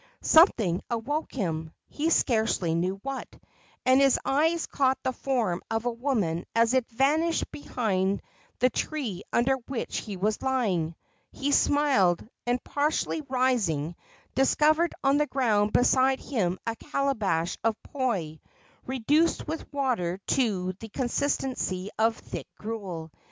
Something awoke him he scarcely knew what and his eyes caught the form of a woman as it vanished behind the tree under which he was lying. He smiled, and, partially rising, discovered on the ground beside him a calabash of poi, reduced with water to the consistency of thick gruel.